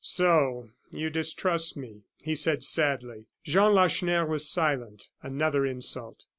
"So you distrust me!" he said, sadly. Jean Lacheneur was silent another insult.